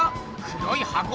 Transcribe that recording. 黒い箱？